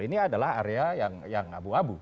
ini adalah area yang abu abu